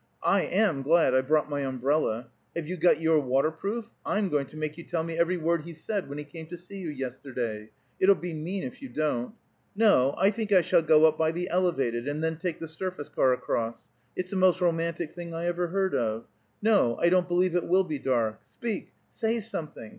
I am glad I brought my umbrella. Have you got your waterproof? I'm going to make you tell me every word he said when he came to see you yesterday; it'll be mean if you don't. No, I think I shall go up by the elevated, and then take the surface car across. It's the most romantic thing I ever heard of. No, I don't believe it will be dark. Speak! Say something!